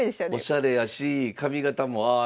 おしゃれやし髪形もああいう髪形。